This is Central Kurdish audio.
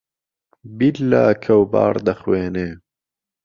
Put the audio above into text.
بیللا کەوباڕ دەخوێنێ